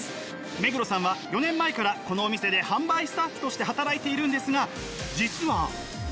目黒さんは４年前からこのお店で販売スタッフとして働いているんですが実は。